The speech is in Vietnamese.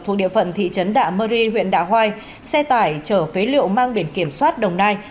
thuộc địa phận thị trấn đạ mơ ri huyện đạ hoai xe tải chở phế liệu mang biển kiểm soát đồng nai